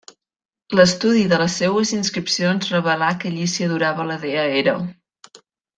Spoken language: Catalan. L'estudi de les seues inscripcions revelà que allí s'hi adorava la dea Hera.